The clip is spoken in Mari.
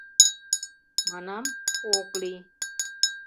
— Манам: ок лий!